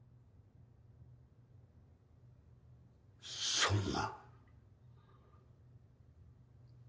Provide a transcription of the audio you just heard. そんな。